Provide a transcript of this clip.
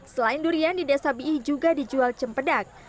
selain durian di desa biih juga dijual cempedak